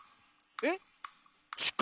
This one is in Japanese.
えっ？